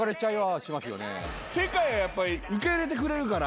世界はやっぱり受け入れてくれるから。